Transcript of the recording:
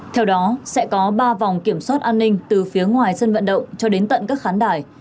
theo đó sẽ có ba vòng kiểm soát an ninh từ phía ngoài sân vận động cho đến tận các khán đài